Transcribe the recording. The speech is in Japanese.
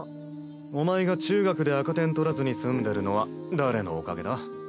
お前が中学で赤点取らずに済んでるのは誰のおかげだ？